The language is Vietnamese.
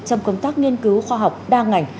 trong công tác nghiên cứu khoa học đa ngành